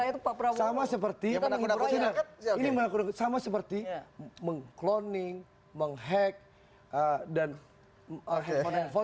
yang menakut nakuti rakyat itu pak prabowo